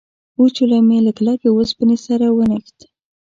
وچولی مې له کلکې اوسپنې سره ونښت.